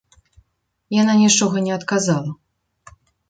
Яна нічога не адказала.